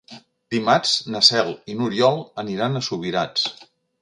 Dimarts na Cel i n'Oriol aniran a Subirats.